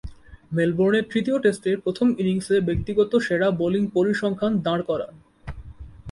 মেলবোর্নে তৃতীয় টেস্টের প্রথম ইনিংসে ব্যক্তিগত সেরা বোলিং পরিসংখ্যান দাঁড় করান।